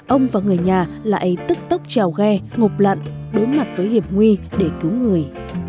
ông và người nhà lại tức tốc trèo ghe ngục lặn đối mặt với hiệp nguy để cứu người